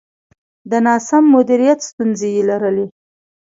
د ناسم مدیریت ستونزې یې لرلې.